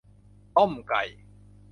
ต้มไก่